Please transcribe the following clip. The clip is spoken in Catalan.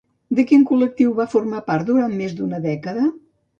De quin col·lectiu va formar part durant més d'una dècada?